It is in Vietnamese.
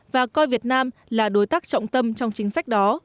và coi việt nam là đối tác trọng tâm trong chính sách đó